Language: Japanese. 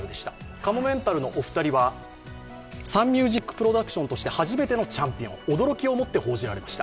かもめんたるのお二人はサンミュージックプロダクションとして初めてのチャンピオン、驚きをもって報じられました。